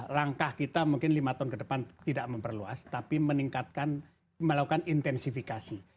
langkah kita mungkin lima tahun ke depan tidak memperluas tapi meningkatkan melakukan intensifikasi